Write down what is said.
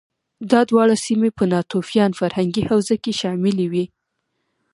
دا دواړه سیمې په ناتوفیان فرهنګي حوزه کې شاملې وې